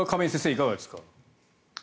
いかがですか。